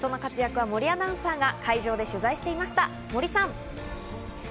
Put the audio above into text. その活躍を森アナウンサーが会場で取材していました、森さん。